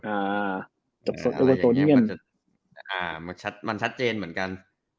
อันนี้มันชัดเจนเหมือนกัน